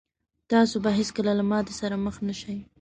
تاسو به هېڅکله له ماتې سره مخ نه شئ.